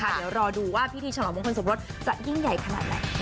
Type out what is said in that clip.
เดี๋ยวรอดูว่าพิธีฉลองมงคลสมรสจะยิ่งใหญ่ขนาดไหน